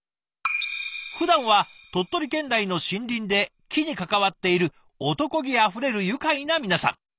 「普段は鳥取県内の森林で木に関わっている男気溢れる愉快な皆さん。